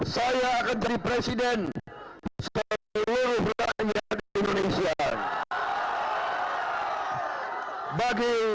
saya akan jadi presiden seluruh rakyat indonesia